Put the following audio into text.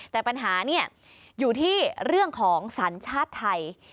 แต่ปัญหาอยู่ที่เรื่องของสัญชาติไทย